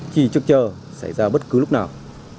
chỉ chờ chờ xảy ra bất cứ lúc nào